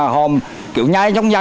họ kiếm nha trong nhà